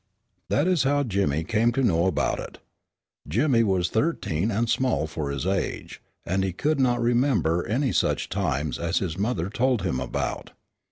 That is how Jimmy came to know about it. Jimmy was thirteen and small for his age, and he could not remember any such times as his mother told him about.